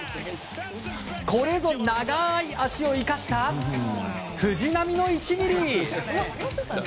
これぞ長い足を生かした藤浪の１ミリ。